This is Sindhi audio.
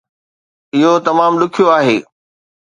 اهو تمام ڏکيو آهي